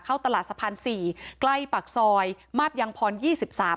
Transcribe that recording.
เข้าตลาดสะพานสี่ใกล้ปากซอยมาบยังพรยี่สิบสาม